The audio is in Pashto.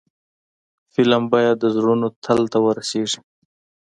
فلم باید د زړونو تل ته ورسیږي